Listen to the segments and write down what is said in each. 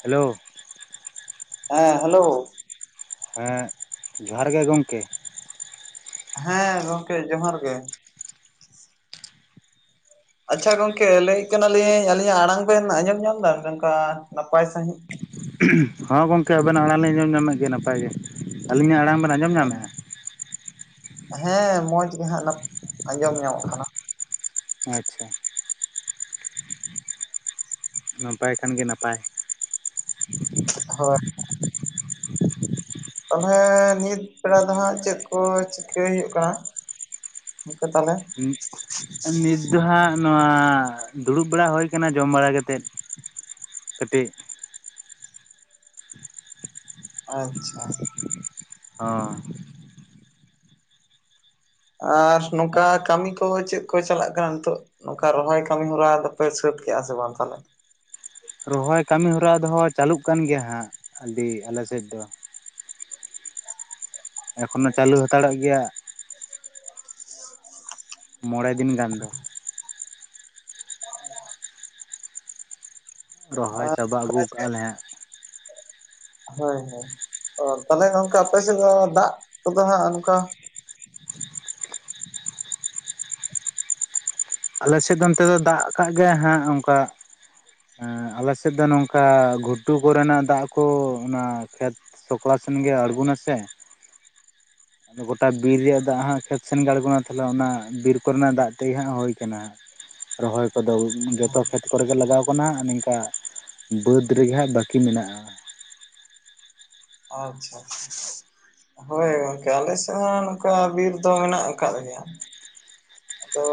ᱦᱮᱸᱞᱳ ᱦᱮᱸ ᱦᱮᱸᱞᱳ ᱦᱮᱸ ᱡᱚᱦᱟᱨ ᱜᱮ ᱜᱚᱝᱠᱮ᱾ ᱦᱮᱸ ᱜᱚᱝᱠᱮ ᱡᱚᱦᱟᱨ ᱜᱮ᱾ ᱟᱪᱪᱷᱟ ᱜᱚᱝᱠᱮ ᱞᱟᱹᱭᱮᱫ ᱠᱟᱱᱟᱞᱤᱧ ᱟᱹᱞᱤᱧᱟᱜ ᱟᱲᱟᱝ ᱵᱮᱱ ᱟᱸᱡᱚᱢ ᱧᱟᱢ ᱫᱟ ᱱᱚᱝᱠᱟ ᱱᱟᱯᱟᱭ ᱥᱟᱺᱦᱤᱡ? ᱦᱚᱸ ᱜᱚᱝᱠᱮ ᱟᱵᱮᱱᱟᱜ ᱟᱲᱟᱝ ᱞᱤᱧ ᱟᱸᱡᱚᱢ ᱧᱟᱢᱮᱫ ᱜᱮᱭᱟ ᱱᱟᱯᱟᱭ ᱜᱮ ᱟᱹᱞᱤᱧᱟᱜ ᱟᱲᱟᱝ ᱵᱮᱱ ᱟᱸᱡᱚᱢ ᱧᱟᱢᱮᱫᱼᱟ? ᱦᱮᱸ ᱢᱚᱡᱽ ᱜᱮ ᱦᱟᱸᱜ ᱱᱟᱯ ᱟᱸᱡᱚᱢ ᱧᱟᱢᱚᱜ ᱠᱟᱱᱟ᱾ ᱟᱪᱪᱷᱟ᱾ ᱱᱟᱯᱟᱭ ᱠᱷᱟᱱ ᱜᱮ ᱱᱟᱯᱟᱭ᱾ ᱦᱳᱭ ᱛᱟᱦᱚᱞᱮ ᱱᱤᱛ ᱵᱮᱲᱟ ᱫᱚ ᱦᱟᱸᱜ ᱪᱮᱫ ᱠᱚ ᱪᱤᱠᱟᱹᱭ ᱦᱩᱭᱩᱜ ᱠᱟᱱᱟ? ᱜᱚᱝᱠᱮ ᱛᱟᱦᱚᱞᱮ [unintelligible] ᱱᱤᱛ ᱫᱚ ᱦᱟᱸᱜ ᱱᱚᱣᱟ ᱫᱩᱲᱩᱵᱽ ᱵᱟᱲᱟ ᱦᱳᱭ ᱟᱠᱟᱱᱟ ᱡᱚᱢ ᱵᱟᱲᱟ ᱠᱟᱛᱮᱫ᱾ ᱠᱟᱹᱴᱤᱡ, ᱟᱪᱪᱷᱟ, ᱚ ᱟᱨ ᱱᱚᱝᱠᱟ ᱠᱟᱹᱢᱤ ᱠᱚ ᱪᱮᱫ ᱠᱚ ᱪᱟᱞᱟᱜ ᱠᱟᱱᱟ ᱱᱤᱛᱳᱜ? ᱱᱚᱝᱠᱟ ᱨᱚᱦᱚᱭ ᱠᱟᱹᱢᱤ ᱦᱚᱨᱟ ᱫᱚᱯᱮ ᱥᱟᱹᱛ ᱠᱮᱜᱼᱟ ᱥᱮ ᱵᱟᱝ ᱛᱟᱦᱚᱞᱮ? ᱨᱚᱦᱚᱭ ᱠᱟᱹᱢᱤ ᱦᱚᱨᱟ ᱫᱚ ᱪᱟᱹᱞᱩᱜ ᱠᱟᱱ ᱜᱮᱭᱟ ᱦᱟᱸᱜ ᱟᱹᱰᱤ ᱟᱞᱮ ᱥᱮᱫ ᱫᱚ᱾ ᱮᱠᱷᱚᱱᱚ ᱪᱟᱹᱞᱩ ᱦᱟᱛᱟᱲᱚᱜ ᱜᱮᱭᱟ᱾ [inaudible] ᱢᱚᱸᱬᱮ ᱫᱤᱱ ᱜᱟᱱ ᱫᱚ᱾ [inaudible] ᱨᱚᱦᱚᱭ ᱟᱨ ᱪᱟᱵᱟ ᱟᱹᱜᱩ ᱠᱟᱜ-ᱟ ᱞᱮ ᱦᱟᱸᱜ᱾ ᱦᱳᱭ, ᱦᱳᱭ᱾ ᱚ ᱛᱟᱦᱚᱞᱮ ᱜᱚᱝᱠᱮ ᱟᱯᱮ ᱥᱮᱫ ᱫᱚ ᱫᱟᱜ ᱠᱚᱫᱚ ᱦᱟᱸᱜ ᱚᱱᱠᱟ ᱟᱞᱮ ᱥᱮᱫ ᱫᱚ ᱚᱱᱛᱮ ᱫᱚ ᱫᱟᱜ ᱟᱠᱟᱜ ᱜᱮ ᱦᱟᱸᱜ ᱚᱱᱠᱟ ᱟᱞᱮ ᱥᱮᱫ ᱫᱚ ᱱᱚᱝᱠᱟ ᱜᱷᱩᱴᱩ ᱠᱚᱨᱮᱱᱟᱜ ᱫᱟᱜ ᱠᱚ ᱚᱱᱟ ᱠᱷᱮᱛ ᱥᱚᱠᱲᱟ ᱥᱮᱱ ᱜᱮ ᱟᱬᱜᱚᱱᱟ ᱥᱮ᱾ ᱜᱚᱴᱟ ᱵᱤᱨ ᱨᱮᱭᱟᱜ ᱫᱟᱜ ᱦᱟᱸᱜ ᱠᱷᱮᱛ ᱥᱮᱱ ᱟᱬᱜᱚᱱᱟ ᱛᱟᱦᱚᱞᱮ ᱚᱱᱟ ᱵᱤᱨ ᱠᱚᱨᱮᱱᱟᱜ ᱫᱟᱜ ᱛᱮᱜ ᱦᱟᱸᱜ ᱦᱳᱭ ᱠᱟᱱᱟ ᱨᱚᱦᱚᱭ ᱠᱚᱫᱚ ᱡᱚᱛᱚ ᱠᱷᱮᱛ ᱠᱚᱨᱮ ᱜᱮ ᱞᱟᱜᱟᱣ ᱠᱟᱱᱟ, ᱱᱤᱝᱠᱟ ᱵᱟᱹᱫᱽ ᱨᱮᱸᱜᱮ ᱦᱟᱸᱜ ᱵᱟᱹᱠᱤ ᱢᱮᱱᱟᱜᱼᱟ᱾ ᱟᱪᱪᱷᱟ ᱟᱪᱪᱷᱟ᱾ ᱦᱳᱭ ᱦᱩᱸ ᱟᱞᱮ ᱥᱮᱫ ᱦᱚᱸ ᱱᱚᱝᱠᱟ ᱵᱤᱨ ᱫᱚ ᱢᱮᱱᱟᱜ ᱟᱠᱟᱫ ᱜᱮᱭᱟ, ᱟᱫᱚ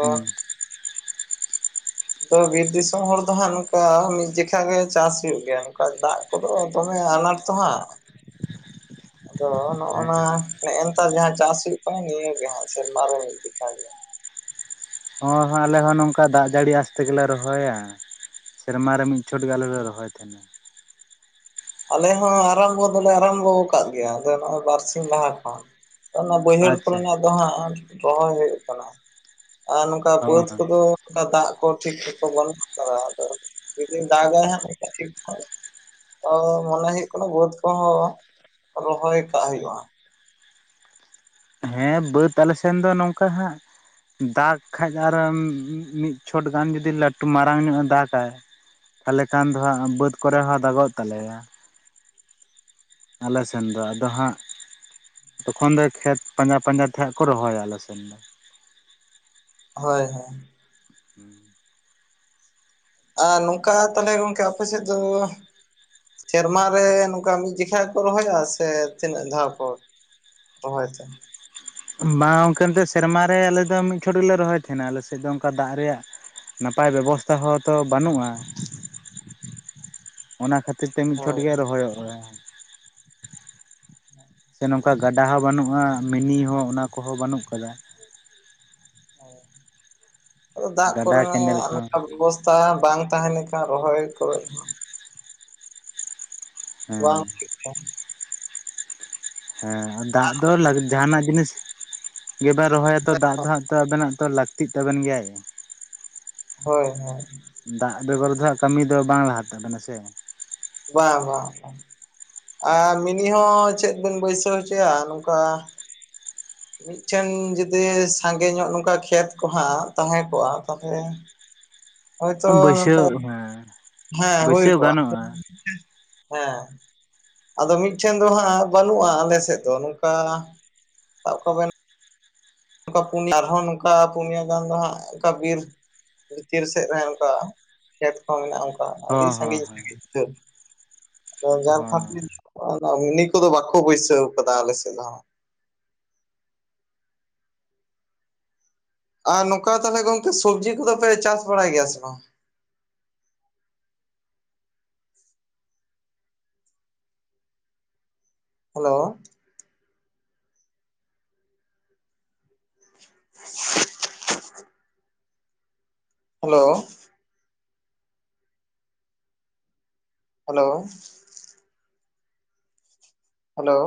ᱟᱫᱚ ᱵᱤᱨ ᱫᱤᱥᱚᱢ ᱦᱚᱲ ᱫᱚ ᱦᱟᱸᱜ ᱱᱚᱝᱠᱟ ᱢᱤᱫ ᱡᱮᱠᱷᱟ ᱜᱮ ᱪᱟᱹᱥ ᱦᱳᱭᱳᱜ ᱜᱮᱭᱟ, ᱱᱚᱝᱠᱟ ᱫᱟᱜ ᱠᱚᱫᱚ ᱫᱚᱢᱮ ᱟᱱᱟᱴ ᱛᱚ ᱦᱟᱸᱜ ᱟᱫᱚ ᱦᱚᱜᱼᱱᱟ ᱦᱮᱸ ᱱᱮᱜᱼᱮ ᱱᱮᱛᱟᱨ ᱡᱟᱦᱟᱸ ᱪᱟᱹᱥ ᱦᱳᱭᱳᱜ ᱠᱟᱱᱟ ᱱᱤᱭᱟᱹ ᱜᱮ ᱦᱟᱸᱜ ᱥᱮᱨᱢᱟ ᱨᱮᱮ ᱢᱤᱫ ᱡᱚᱠᱷᱟ ᱜᱮᱭᱟ᱾ ᱦᱚᱸ ᱦᱚᱸ ᱟᱞᱮ ᱦᱚᱸ ᱱᱚᱝᱠᱟ ᱫᱟᱜ ᱡᱟᱹᱲᱤ ᱟᱥ ᱛᱮᱜᱮᱞᱮ ᱨᱚᱦᱚᱭᱟ ᱥᱮᱨᱢᱟ ᱨᱮ ᱢᱤᱫ ᱪᱷᱚᱴ ᱜᱮ ᱟᱞᱮ ᱨᱚᱦᱚᱭ ᱛᱟᱦᱮᱸᱱᱟ᱾ ᱟᱞᱮ ᱦᱚᱸ ᱟᱨᱟᱢᱵᱚ ᱫᱚᱞᱮ ᱟᱨᱟᱢᱵᱚ ᱟᱠᱟᱫ ᱜᱮᱭᱟ ᱱᱚᱜ-ᱚᱭ ᱵᱟᱨᱥᱤᱝ ᱞᱟᱦᱟ ᱠᱷᱚᱱ᱾ ᱚᱱᱟ ᱵᱟᱹᱭᱦᱟᱹᱲ ᱠᱚᱨᱮᱱᱟᱜ ᱫᱚ ᱦᱟᱸᱜ ᱨᱚᱦᱚᱭ ᱦᱳᱭᱳᱜ ᱠᱟᱱᱟ᱾ ᱟᱨ ᱱᱚᱝᱠᱟ ᱵᱟᱹᱫᱽ ᱠᱚᱫᱚ ᱚᱱᱠᱟ ᱫᱟᱜ ᱠᱚ ᱴᱷᱤᱠ ᱢᱚᱛᱚ ᱵᱟᱹᱱᱩᱜ ᱟᱠᱟᱫᱟ᱾ ᱟᱫᱚ ᱡᱩᱫᱤ ᱫᱟᱜᱟᱭ ᱦᱟᱸᱜ [inaudible] ᱴᱷᱤᱠ ᱢᱚᱱᱮ ᱦᱳᱭᱳᱜ ᱠᱟᱱᱟ ᱵᱟᱹᱫᱽ ᱠᱚᱦᱚᱸ ᱨᱚᱦᱚᱭ ᱠᱟᱜ ᱦᱳᱭᱳᱜᱼᱟ᱾ ᱦᱮᱸ ᱵᱟᱹᱫᱽ ᱟᱞᱮ ᱥᱮᱱ ᱫᱚ ᱱᱚᱝᱠᱟ ᱦᱟᱸᱜ ᱫᱟᱜᱽ ᱠᱷᱟᱱ ᱟᱨᱚ ᱢᱤᱫ ᱪᱷᱚᱴ ᱜᱟᱱ ᱡᱩᱫᱤ ᱞᱟᱹᱴᱩ ᱢᱟᱨᱟᱝ ᱧᱚᱜ ᱮ ᱫᱟᱜᱟᱭ ᱛᱟᱦᱞᱮ ᱠᱷᱟᱱ ᱫᱚ ᱦᱟᱸᱜ ᱵᱟᱹᱫᱽ ᱠᱚᱨᱮ ᱦᱚᱸ ᱫᱟᱜᱚᱜ ᱛᱟᱞᱮᱭᱟ᱾ ᱟᱞᱮ ᱥᱮᱱ ᱫᱚ ᱟᱫᱚ ᱦᱟᱸᱜ ᱛᱚᱠᱷᱚᱱ ᱫᱚ ᱠᱷᱮᱛ ᱯᱟᱸᱡᱟ ᱯᱟᱸᱡᱟ ᱛᱮ ᱦᱟᱸᱜ ᱠᱚ ᱨᱚᱦᱚᱭᱟ ᱟᱞᱮ ᱥᱮᱱ ᱫᱚ᱾ ᱦᱳᱭ, ᱦᱮᱸ᱾ [inaudible] ᱟᱨ ᱱᱚᱝᱠᱟ ᱛᱟᱦᱚᱞᱮ ᱜᱚᱝᱠᱮ ᱟᱯᱮ ᱥᱮᱫ ᱫᱚ ᱥᱮᱨᱢᱟ ᱨᱮ ᱱᱚᱝᱠᱟ ᱢᱤᱫ ᱡᱮᱠᱷᱟ ᱠᱚ ᱨᱚᱦᱚᱭᱟ ᱥᱮ ᱛᱤᱱᱟᱹᱜ ᱫᱷᱟᱣ ᱠᱚ ᱨᱚᱦᱚᱭ ᱛᱮ? ᱵᱟᱝ ᱜᱚᱢᱠᱮ ᱥᱮᱨᱢᱟ ᱨᱮ ᱟᱞᱮ ᱫᱚ ᱢᱤᱫ ᱪᱷᱚᱴ ᱜᱮᱞᱮ ᱨᱚᱦᱚᱭ ᱛᱟᱦᱮᱸᱱᱟ, ‌ ᱟᱞᱮ ᱥᱮᱫ ᱫᱚ ᱚᱱᱠᱟ ᱫᱟᱜ ᱨᱮᱭᱟᱜ ᱱᱟᱯᱟᱭ ᱵᱮᱵᱚᱥᱛᱷᱟ ᱦᱚᱛᱚ ᱵᱟᱹᱱᱩᱜᱼᱟ᱾ [inaudible] ᱚᱱᱟ ᱠᱷᱟᱹᱛᱤᱨ ᱛᱮ ᱢᱤᱫ ᱪᱷᱚᱴ ᱦᱳᱭ ᱜᱮ ᱨᱚᱦᱚᱭᱚᱜ-ᱟ᱾ [inaudible] ᱥᱮ ᱱᱚᱝᱠᱟ ᱜᱟᱰᱟ ᱦᱚᱸ ᱵᱟᱹᱱᱩᱜᱼᱟ ᱢᱤᱱᱤ ᱦᱚᱸ ᱚᱱᱟ ᱠᱚᱦᱚᱸ ᱵᱟᱹᱱᱩᱜ ᱠᱟᱫᱟ᱾ [inaudible] ᱟᱫᱚ ᱫᱟᱜ ᱜᱟᱰᱟ ᱠᱚᱨᱮᱱᱟᱜ ᱠᱮᱱᱮᱞ ᱠᱚᱦᱚᱸ ᱚᱱᱠᱟ ᱵᱮᱵᱚᱥᱛᱷᱟ ᱵᱟᱝ ᱛᱟᱦᱮᱸ ᱞᱮᱱ ᱠᱷᱟᱱ ᱨᱚᱦᱚᱭ ᱠᱚᱨᱮ ᱦᱚᱸ ᱦᱮᱸ ᱵᱟᱝ ᱦᱩᱭᱩᱜ ᱜᱮᱭᱟ᱾ ᱦᱮᱸ ᱫᱟᱜ ᱫᱚ ᱞᱟᱜ ᱡᱟᱦᱟᱸᱱᱟᱜ ᱡᱤᱱᱤᱥ ᱤᱭᱟᱹ ᱵᱮᱱ ᱨᱚᱦᱚᱭᱟᱛᱚ ᱫᱟᱜ ᱫᱚ ᱦᱟᱸᱜ ᱛᱚ ᱟᱵᱮᱱᱟᱜ ᱛᱚ ᱞᱟᱹᱠᱛᱤᱜ ᱛᱟᱵᱮᱱ ᱜᱮᱭᱟᱭ᱾ ᱦᱳᱭ ᱦᱳᱭ᱾ ᱫᱟᱜ ᱵᱮᱜᱚᱨ ᱫᱚ ᱦᱟᱸᱜ ᱠᱟᱹᱢᱤ ᱫᱚ ᱵᱟᱝ ᱞᱟᱦᱟ ᱛᱟᱵᱮᱱᱟ ᱥᱮ᱾ ᱵᱟᱝ ᱵᱟᱝ ᱵᱟᱝ ᱟᱨ ᱢᱤᱱᱤ ᱦᱚᱸ ᱪᱮᱫ ᱵᱮᱱ ᱵᱟᱹᱭᱥᱟᱹᱣ ᱦᱚᱪᱚᱭᱟ ᱱᱚᱝᱠᱟ ᱢᱤᱫᱴᱷᱮᱱ ᱡᱩᱫᱤ ᱥᱟᱸᱜᱮ ᱧᱚᱜ ᱱᱚᱝᱠᱟ ᱠᱷᱮᱛ ᱠᱚᱦᱟᱸᱜ ᱛᱟᱦᱮᱸ ᱠᱚᱜᱼᱟ ᱛᱟᱞᱦᱮ ᱦᱳᱭᱛᱚ ᱱᱚᱝᱠᱟ ᱵᱟᱹᱭᱥᱟᱹᱣ ᱦᱮᱸ ᱦᱮᱸ ᱦᱩᱭ ᱵᱟᱹᱭᱥᱟᱹᱣ ᱠᱚᱜᱼᱟ ᱜᱟᱱᱚᱜᱼᱟ ᱦᱮᱸ᱾ ᱟᱫᱚ ᱢᱤᱫᱴᱷᱮᱱ ᱫᱚ ᱦᱟᱸᱜ ᱵᱟᱹᱱᱩᱜᱼᱟ ᱟᱞᱮ ᱥᱮᱫ ᱫᱚ ᱱᱚᱝᱠᱟ ᱥᱟᱵ ᱠᱟᱜ ᱵᱮᱱ ᱱᱚᱝᱠᱟ ᱯᱩᱱᱭ ᱟᱨᱦᱚᱸ ᱱᱚᱝᱠᱟ ᱯᱩᱱᱭ ᱜᱟᱱ ᱫᱚ ᱦᱟᱸᱜ ᱚᱱᱠᱟ ᱵᱤᱨ ᱵᱷᱤᱛᱤᱨ ᱥᱮᱫ ᱨᱮ ᱚᱱᱠᱟ ᱠᱷᱮᱛ ᱠᱚᱸ ᱢᱮᱱᱟᱜᱼᱟ ᱚᱱᱠᱟ ᱟᱹᱰᱤ ᱦᱚᱸ ᱦᱚᱸ ᱥᱟᱺᱜᱤᱧ ᱦᱚᱸ ᱥᱟᱺᱜᱤᱧ ᱟᱫᱚ ᱡᱟ ᱦᱚᱸ ᱠᱷᱟᱹᱛᱤᱨ ᱢᱤᱱᱤ ᱠᱚᱫᱚ ᱵᱟᱠᱚ ᱵᱟᱹᱭᱥᱟᱹᱣ ᱠᱟᱫᱟ ᱟᱞᱮ ᱥᱮᱫ ᱫᱚ᱾ ᱟᱨ ᱱᱚᱝᱠᱟ ᱛᱟᱦᱚᱞᱮ ᱜᱚᱝᱠᱮ ᱥᱚᱵᱡᱤ ᱠᱚᱫᱚ ᱯᱮ ᱪᱟᱥ ᱵᱟᱲᱟᱭ ᱜᱮᱭᱟ ᱥᱮ ᱵᱟᱝ? Hello [unintelligible] hello. ᱦᱮᱞᱳ᱾ ᱦᱮᱞᱳ᱾